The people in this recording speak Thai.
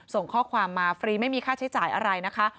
ส่งข้อความมาฟรีไม่มีค่าใช้จ่ายอะไรนะคะ